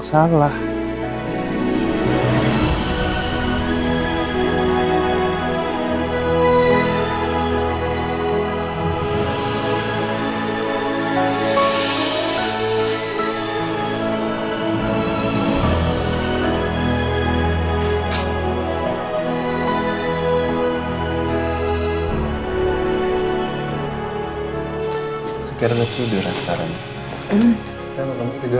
kita mau tiduran ya